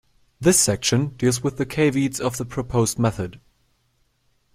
This section deals with the caveats of the proposed method.